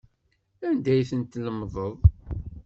Anda ay ten-tlemdeḍ?